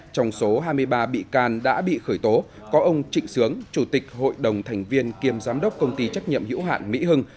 trong số hai mươi ba bị can đã bị khởi tố có ông trịnh sướng chủ tịch hội đồng thành viên kiêm giám đốc công ty trách nhiệm hữu hạn mỹ hưng